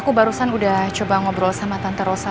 aku barusan udah coba ngobrol sama tante rosa